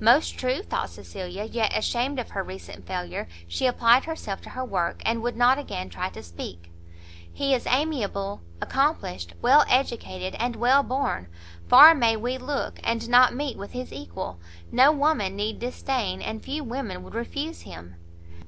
Most true! thought Cecilia, yet ashamed of her recent failure, she applied herself to her work, and would not again try to speak. "He is amiable, accomplished, well educated, and well born; far may we look, and not meet with his equal; no woman need disdain, and few women would refuse him."